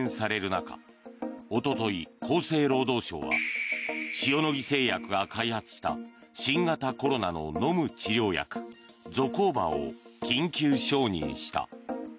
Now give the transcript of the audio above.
中おととい、厚生労働省は塩野義製薬が開発した新型コロナの飲む治療薬ゾコーバを緊急承認した。